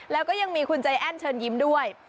แล้วก็ยังมีคุณใจแอ้นเชิญยิ้มด้วย